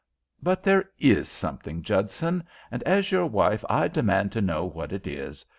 "But there is something, Judson, and as your wife I demand to know what it is.